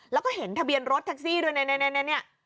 แล้วก็เห็นทะเบียนรถแท็กซี่ด้วยนี่